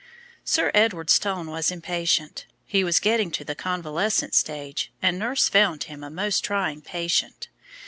Sir Edward's tone was impatient. He was getting to the convalescent stage, and nurse found him a most trying patient.